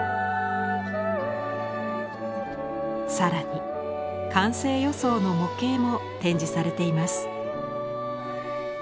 更に完成予想の模型も展示されています。